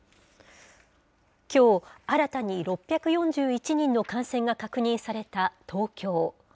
きょう、新たに６４１人の感染が確認された東京。